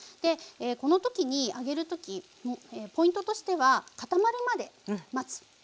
この時に揚げる時ポイントとしては固まるまで待つ。